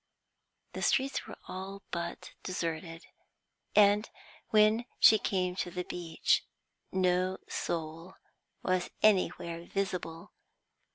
The streets were all but deserted, and, when she came to the beach, no soul was anywhere visible.